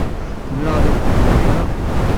Zemreɣ ad ak-d-mleɣ kra?